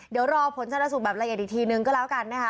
เดี๋ยวรอผลชนสูตรแบบละเอียดอีกทีนึงก็แล้วกันนะคะ